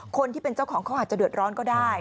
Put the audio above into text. คนที่เป็นเจ้าของเขาอาจจะเดือดร้อนก็ได้